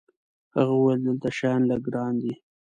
هغه وویل: دلته شیان لږ ګران دي.